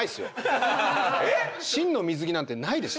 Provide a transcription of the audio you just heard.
心の水着なんてないですよ。